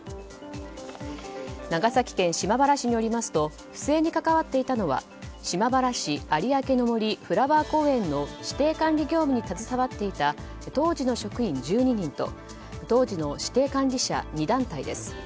長崎県島原市によりますと不正に関わっていたのは島原市有明の森フラワー公園の指定管理業務に携わっていた当時の職員１２人と当時の指定管理者２団体です。